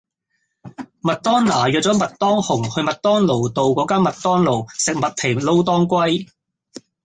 麥當娜約左麥當雄去麥當勞道個間麥當勞食麥皮撈當歸